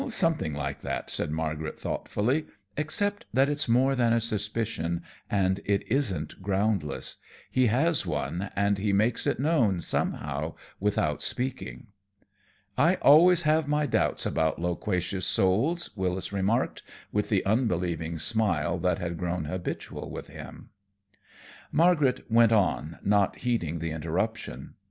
"Something like that," said Margaret, thoughtfully, "except that it's more than a suspicion, and it isn't groundless. He has one, and he makes it known, somehow, without speaking." "I always have my doubts about loquacious souls," Wyllis remarked, with the unbelieving smile that had grown habitual with him. Margaret went on, not heeding the interruption.